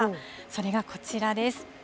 それがこちらです。